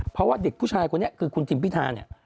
เพราะว่าเด็กผู้ชายคนนี้คือคุณทิมพิธาเนี่ย